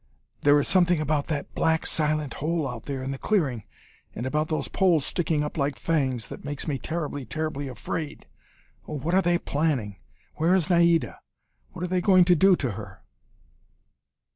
"There is something about that black, silent hole out there in the clearing, and about those poles sticking up like fangs, that makes me terribly, terribly afraid. Oh, what are they planning? Where is Naida? What are they going to do to her?"